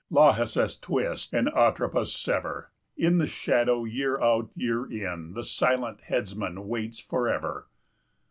Lachesis, twist! and, Atropos, sever! In the shadow, year out, year in, The silent headsman waits forever.